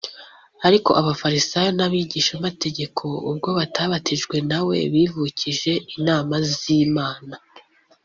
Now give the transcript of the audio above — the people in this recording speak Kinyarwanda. ‘ariko abafarisayo n’abigishamategeko ubwo batabatijwe na we, bivukije inama z’imana